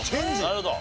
なるほど。